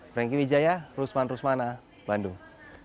franky wijaya rusman rusmana bandung